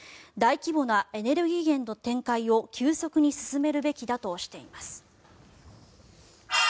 大規模なエネルギー源の転換を急速に進めるべきだとしています。